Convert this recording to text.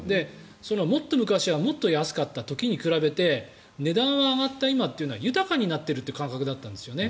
もっと昔はもっと安かった時に比べて値段は上がった今というのは豊かになったという感覚だったんですよね。